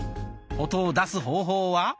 音を出す方法は。